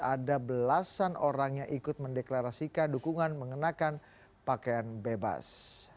ada belasan orang yang ikut mendeklarasikan dukungan mengenakan pakaian bebas